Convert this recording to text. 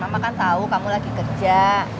mama kan tahu kamu lagi kerja